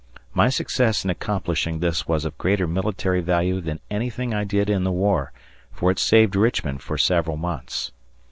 My success in accomplishing this was of greater military value than anything I did in the war, for it saved Richmond for several months.